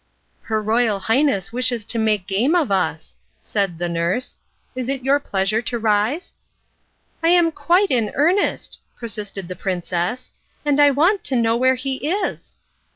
"Your Royal Highness wishes to make game of us," said the nurse. "Is it your pleasure to rise?" "I am quite in earnest," persisted the princess, "and I want to know where he is."